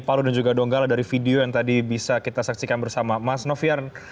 palu dan juga donggala dari video yang tadi bisa kita saksikan bersama mas novian